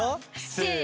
せの！